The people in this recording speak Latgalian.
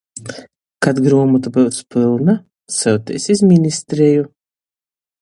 Kod Gruomota byus pylna, syuteis iz ministreju.